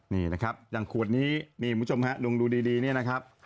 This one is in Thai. นี่นะครับอย่างขวดนี้นี่คุณผู้ชมฮะลุงดูดีนี่นะครับ